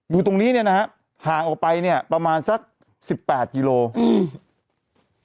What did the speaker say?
คือตรงนี้เนี้ยนะฮะห่างออกไปเนี้ยประมาณสักสิบแปดกิโลอืม